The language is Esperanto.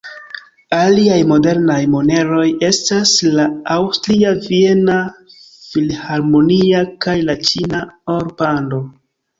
Aliaj modernaj moneroj estas la aŭstria Viena Filharmonia kaj la ĉina Or-Pando.